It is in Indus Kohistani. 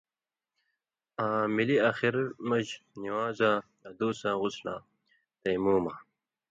آں مِلی آخرہ مژ نِوان٘زاں اَدوساں غُسلاں تیموماں،